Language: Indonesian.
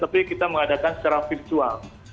tapi kita mengadakan secara virtual